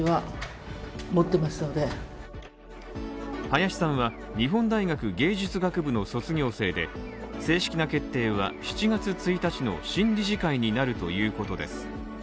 林さんは、日本大学芸術学部の卒業生で、正式な決定は７月１日の新理事会になるということです